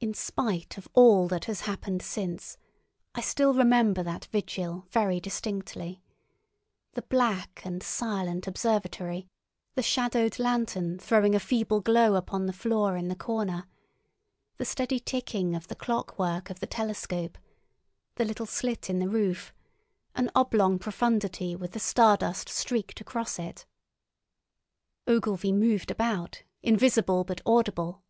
In spite of all that has happened since, I still remember that vigil very distinctly: the black and silent observatory, the shadowed lantern throwing a feeble glow upon the floor in the corner, the steady ticking of the clockwork of the telescope, the little slit in the roof—an oblong profundity with the stardust streaked across it. Ogilvy moved about, invisible but audible.